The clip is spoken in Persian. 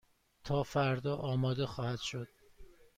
تا فردا آماده خواهد شد.